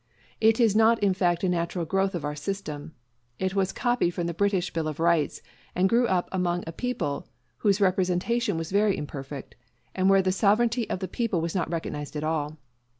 _ It is not in fact a natural growth of our system. It was copied from the British Bill of Rights, and grew up among a people whose representation was very imperfect, and where the sovereignty of the people was not recognized at all.